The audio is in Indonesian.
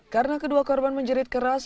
karena kedua korban menjerit keras